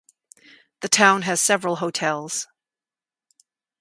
The town has several hotels.